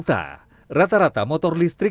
rata rata sepeda motor yang memamerkan motor listrik